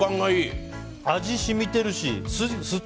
味染みてるし。